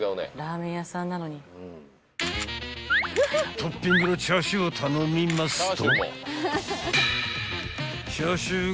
［トッピングのチャーシューを頼みますと］